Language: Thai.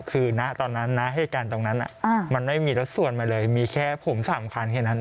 คือณตอนนั้นนะเหตุการณ์ตรงนั้นมันไม่มีรถส่วนมาเลยมีแค่ผม๓คันแค่นั้น